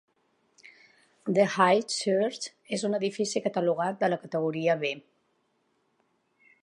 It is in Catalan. The High Church és un edifici catalogat de la categoria B.